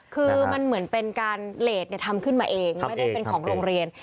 คือมันเหมือนเป็นการเลสทำขึ้นมาเองไม่ได้เป็นของโรงเรียน